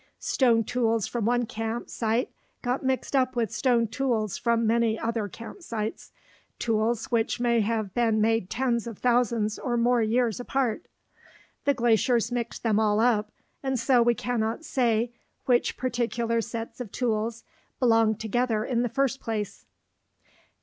Stone tools from one camp site got mixed up with stone tools from many other camp sites tools which may have been made tens of thousands or more years apart. The glaciers mixed them all up, and so we cannot say which particular sets of tools belonged together in the first place.